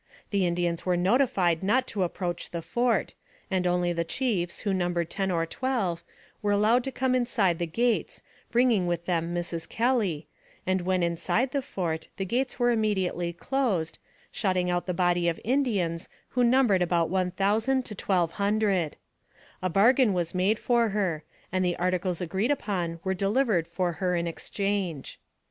The Indians were notified not to approach the fort, and only the chiefs, who num bered ten or twelve, were allowed to come inside the gates, bringing with them Mrs. Kelly, and when inside the fort, the gates were immediately closed, shutting out the body of the Indians, who numbered about 1,000 AMONG THE SIOUX INDIANS. 281 to 1,200. A bargain was made for her, and the articles agreed upon were delivered for her in exchange.